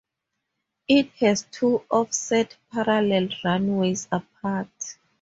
It has two offset parallel runways apart.